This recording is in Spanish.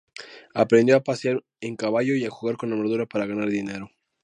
Aprendió a pasear en caballo y a jugar con armadura para ganar dinero.